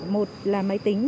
một là máy tính